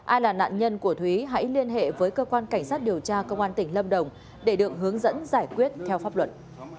ai là nạn nhân của thúy hãy liên hệ với cơ quan cảnh sát điều tra công an tỉnh lâm đồng để được hướng dẫn giải quyết theo pháp luật